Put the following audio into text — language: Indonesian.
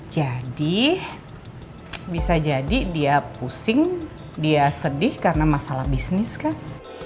jadi bisa jadi dia pusing dia sedih karena masalah bisnis kak